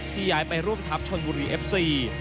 ย้ายไปร่วมทัพชนบุรีเอฟซี